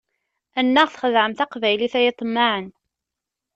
Annaɣ txedɛem taqbaylit ay iḍemmaɛen!